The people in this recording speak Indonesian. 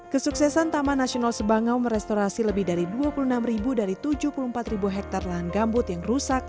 kesuksesan taman nasional sebangau merestorasi lebih dari dua puluh enam dari tujuh puluh empat hektare lahan gambut yang rusak